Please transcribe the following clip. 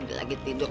dia lagi tidur